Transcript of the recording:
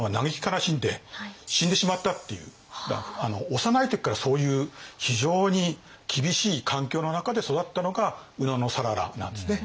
幼い時からそういう非常に厳しい環境の中で育ったのが野讃良なんですね。